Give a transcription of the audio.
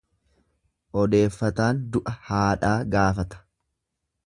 Odeeffataan du'a haadhaa gaafata.